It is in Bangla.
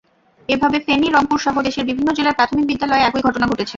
এভাবে ফেনী, রংপুরসহ দেশের বিভিন্ন জেলার প্রাথমিক বিদ্যালয়ে একই ঘটনা ঘটেছে।